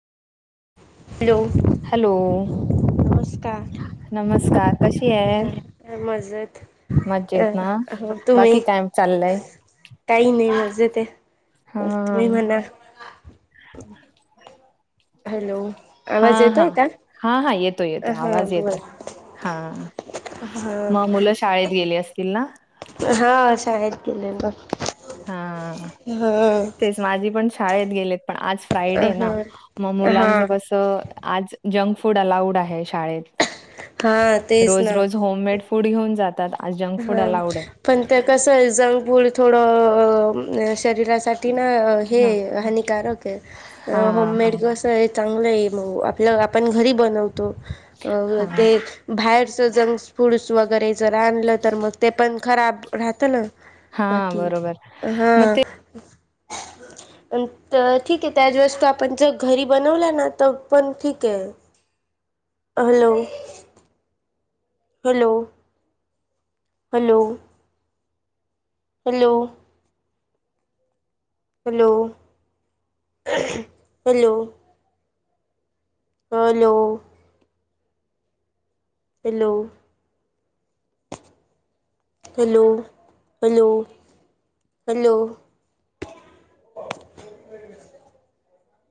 Hello hello नमस्कार नमस्कार कशी आहे. हा मजेत अ मजेत ना हो तुम्ही बाकी काय चाललंय. हा अ तुम्ही म्हणा हॅलो हा आवाज हा येतोय का हा हा येतो येतो हा आवाज बोल येतोय. हा हा म मुलं शाळेत गेली असतील ना. हा शाळेत गेलेलो. हा हा तेच माझी पण शाळेत गेलेत. आज फ्रायडे आहे ना हा मग, हा मुलांचं कसं आज जंग फूड अलाऊड आहे शाळेत हा तेच रोज ना रोज होममेड फूड घेऊन जात हा पण ते कस आहे जंग फूड थोडं अ शरीरासा तिनं हे हा हानिकारक हा यं हा होममेड कसंयं चांगलं ये मग आपलं आपण घरी बनवतो. अ हा ते बाहेर जंक् फूड्स वगैरे जर आणलं तर मग ते पण खराब राहतं ना. हा बाकी बरोबर हा मग ते पण त ठीक ये त्याच वस्तू आपण जर घरी बनवल्या ना त पण ठीकये. [inaudible] Hello hello hello hello hello hello [inaudible] hello hello hello hello hello